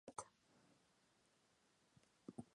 Ever After High es considerada apta para todo el público.